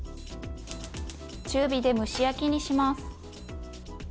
中火で蒸し焼きにします。